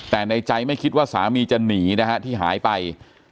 แต่ในใจไม่คิดว่าสามีจะหนีนะฮะที่หายไป